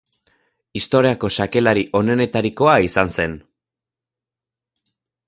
Historiako xakelari onenetarikoa izan zen.